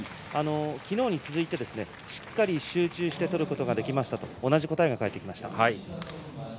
昨日に続いてしっかり集中して取ることができましたと同じ答えが返ってきました。